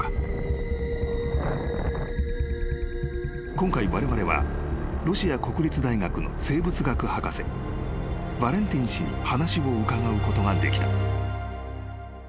［今回われわれはロシア国立大学の生物学博士ヴァレンティン氏に話を伺うことができた］